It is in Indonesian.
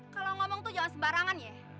kalau ngomong tuh jangan sembarangan ya